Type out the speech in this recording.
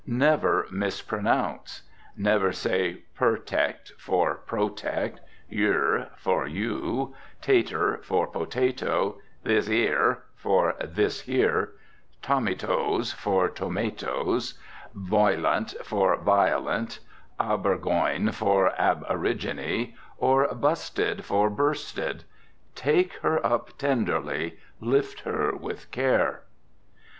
Never mispronounce. Never say purtect for protect, yer for you, tater for potato, this 'ere for this here, tommytoes for tomatoes, oilent for violent, aborgoyne for aborigine, or busted for bursted. "Take her up tenderly, lift her with care."